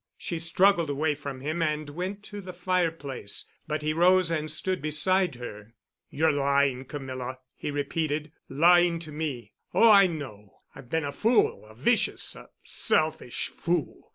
She struggled away from him and went to the fireplace, but he rose and stood beside her. "You're lying, Camilla," he repeated, "lying to me. Oh, I know—I've been a fool—a vicious—a selfish fool.